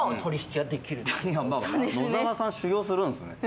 野沢さん修行するんですね。